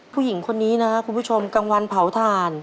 ผู้หญิงคนนี้นะครับคุณผู้ชมกลางวันเผาถ่าน